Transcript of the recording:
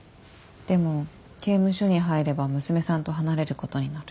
でも刑務所に入れば娘さんと離れることになる。